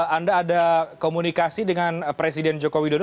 anda ada komunikasi dengan presiden jokowi dulu